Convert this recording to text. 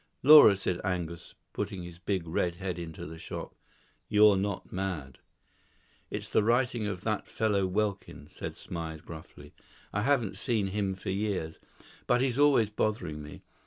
"Laura," said Angus, putting his big red head into the shop, "you're not mad." "It's the writing of that fellow Welkin," said Smythe gruffly. "I haven't seen him for years, but he's always bothering me.